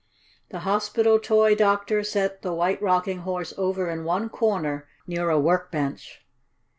The hospital toy doctor set the White Rocking Horse over in one corner near a work bench.